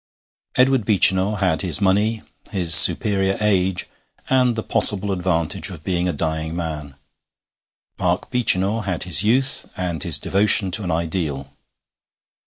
Edward Beechinor had his money, his superior age, and the possible advantage of being a dying man; Mark Beechinor had his youth and his devotion to an ideal.